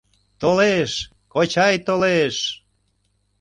— Толеш... кочай толеш!